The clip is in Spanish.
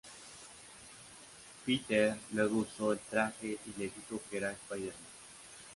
Peter luego usó el traje y le dijo que era Spider-Man.